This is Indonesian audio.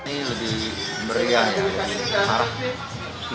ini lebih berian harap